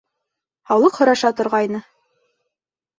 Һаулыҡ һораша торғайны.